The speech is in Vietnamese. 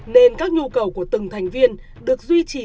nên các nhu cầu của từng thành viên được duy trì